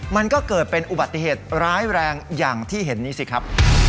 มันก็เกิดเป็นอุบัติเหตุร้ายแรงอย่างที่เห็นนี้สิครับ